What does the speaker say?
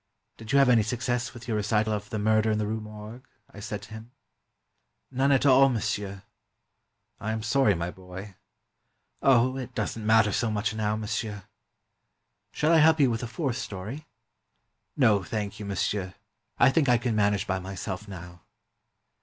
" Did you have any success with your recital of ' The Murder in the Rue Morgue '?" I said to him. "None at all, monsieur." " I am sorry, my boy." '' Oh, it does n't matter so much now, monsieur." "Shall I help you with a fourth story?" "No, thank you, monsieur. I think I can manage by myself now."